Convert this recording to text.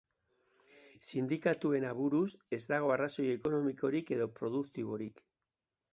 Sindikatuen aburuz, ez dago arrazoi ekonomikorik edo produktiborik.